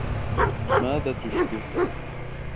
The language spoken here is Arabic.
ماذا تشبه؟